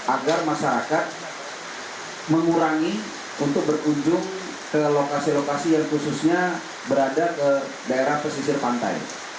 agar masyarakat mengurangi untuk berkunjung ke lokasi lokasi yang khususnya berada ke daerah pesisir pantai